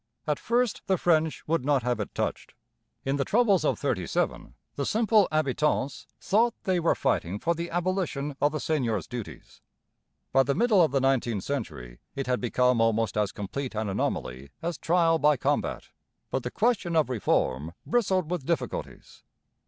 At first the French would not have it touched. In the troubles of '37 the simple habitants thought they were fighting for the abolition of the seigneurs' dues. By the middle of the nineteenth century it had become almost as complete an anomaly as trial by combat. But the question of reform bristled with difficulties.